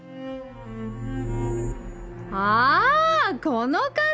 あこの傘！